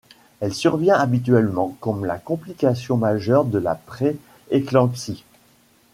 Elle survient habituellement comme la complication majeure de la pré-éclampsie.